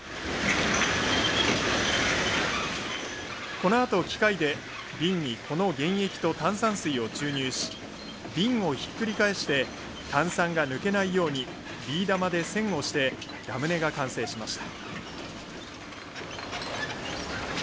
このあと機械で瓶にこの原液と炭酸水を注入し瓶をひっくり返して炭酸が抜けないようにビー玉で栓をしてラムネが完成しました。